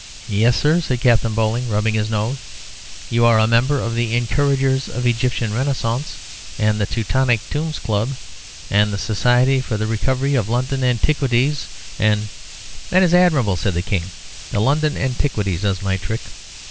"Yes, sir," said Captain Bowler, rubbing his nose, "you are a member of 'The Encouragers of Egyptian Renaissance,' and 'The Teutonic Tombs Club,' and 'The Society for the Recovery of London Antiquities,' and " "That is admirable," said the King. "The London Antiquities does my trick.